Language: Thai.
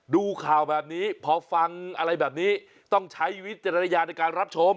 ดูข่าวแบบนี้พอฟังอะไรแบบนี้ต้องใช้วิจารณญาในการรับชม